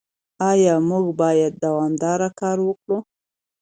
ايا موږ بايد دوامداره کار وکړو؟